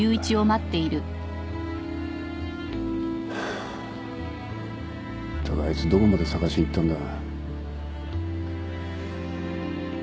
ったくあいつどこまで捜しに行ったんだ。